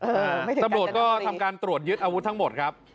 เออไม่ถึงการชนบรีตำรวจก็ทำการตรวจยึดอาวุธทั้งหมดครับ